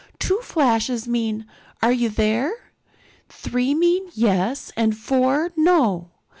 Two flashes mean, 'Are you there?' Three mean 'yes' and four 'no.